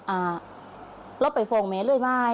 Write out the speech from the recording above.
อ่าเราไปฟอกแม่เลยไหม